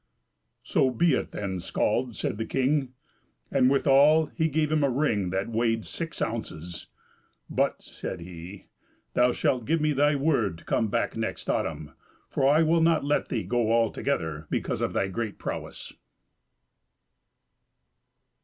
"So be it, then, skald," said the king, and withal he gave him a ring that weighed six ounces; "but," said he, "thou shalt give me thy word to come back next autumn, for I will not let thee go altogether, because of thy great prowess."